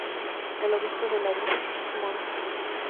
El obispo de la diócesis es Mons.